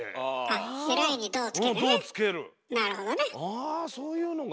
あそういうのが。